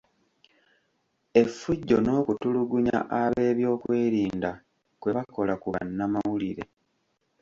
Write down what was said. Effujjo n’okutulugunya ab’ebyokwerinda kwe bakola ku bannamawulire.